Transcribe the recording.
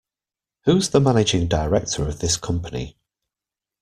Who's the managing director of this company?